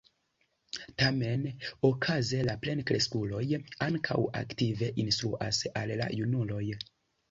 Tamen, okaze la plenkreskuloj ankaŭ aktive instruas al la junuloj.